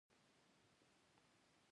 افغانستان د ننګرهار له مخې پېژندل کېږي.